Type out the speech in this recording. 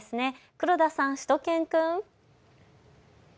黒田さん、しゅと犬くん。